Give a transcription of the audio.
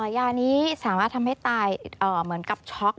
ยานี้สามารถทำให้ตายเหมือนกับช็อก